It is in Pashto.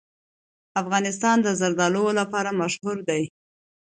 افغانستان د زردالو لپاره مشهور دی.